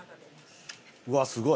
うわっすごい！